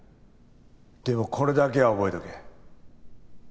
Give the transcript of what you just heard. でもこれだけは覚えておけ。